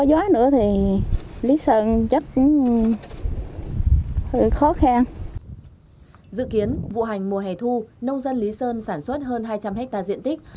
dự kiến vụ hành mùa hè thu nông dân lý sơn sản xuất hơn hai trăm linh hectare diện tích